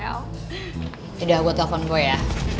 yaudah gue telfon gue ya